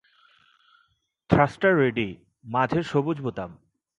Thruster ready, মাঝের সবুজ বোতাম।